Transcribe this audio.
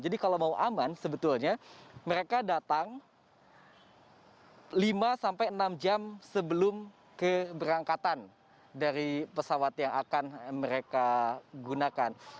jadi kalau mau aman sebetulnya mereka datang lima enam jam sebelum keberangkatan dari pesawat yang akan mereka gunakan